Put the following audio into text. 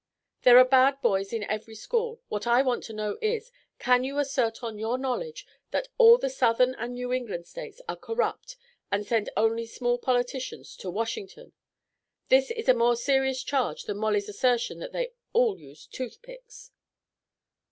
"There are bad boys in every school. What I want to know is can you assert on your knowledge that all the Southern and New England States are corrupt and send only small politicians to Washington? This is a more serious charge than Molly's assertion that they all use toothpicks."